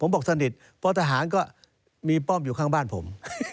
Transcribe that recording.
ผมบอกสนิทเพราะทหารก็มีป้อมอยู่ข้างบ้านผม